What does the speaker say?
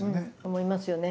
思いますよね。